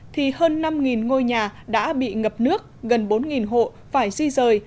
thì hơn năm ngôi nhà đã bị ngập nước gần bốn hộ phải di rời